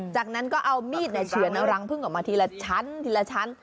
จากนั้นก็เอามีดเฉือนเอารังพึ่งออกมาทีละชั้นทีละชั้น